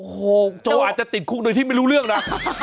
โอ้โหโจอาจจะติดคุกโดยที่ไม่รู้เรื่องนะ